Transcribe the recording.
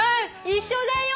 一緒だよ。